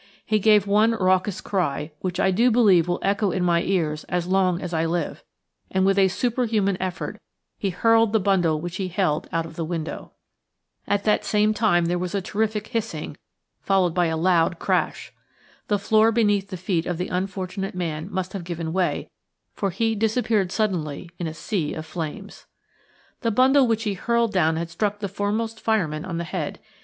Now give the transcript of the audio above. He gave one raucous cry, which I do believe will echo in my ears as long as I live, and with a superhuman effort he hurled the bundle which he held out of the window. At that same moment there was a terrific hissing, followed by a loud crash. The floor beneath the feet of the unfortunate man must have given way, for he disappeared suddenly in a sea of flames. The bundle which he had hurled down had struck the foremost fireman on the head.